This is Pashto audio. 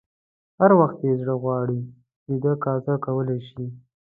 هر وخت یې چې زړه وغواړي لیده کاته کولای شي.